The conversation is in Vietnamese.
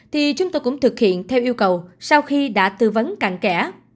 thì chúng tôi cũng thực hiện theo yêu cầu sau khi đã tư vấn càng kẻ